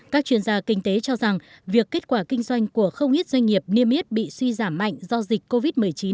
các chuyên gia kinh tế cho rằng việc kết quả kinh doanh của không ít doanh nghiệp niêm yết bị suy giảm mạnh do dịch covid một mươi chín